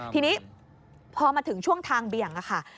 ทีนี้พอมาถึงช่วงทางเบี่ยงค่ะ